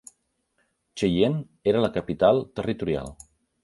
Cheyenne era la capital territorial.